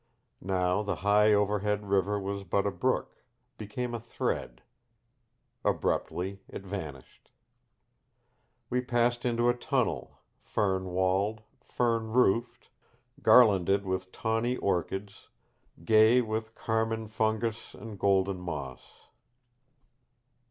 Now the high overhead river was but a brook; became a thread. Abruptly it vanished. We passed into a tunnel, fern walled, fern roofed, garlanded with tawny orchids, gay with carmine fungus and golden moss.